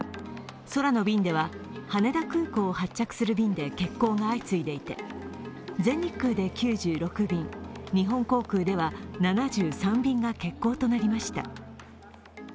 空の便では羽田空港を発着する便で欠航が相次いでいて全日空で９６便、日本航空では７３便が欠航となりました。